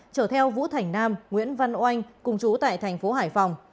chở theo vũ thảnh nam nguyễn văn oanh cùng chú tại tp hải phòng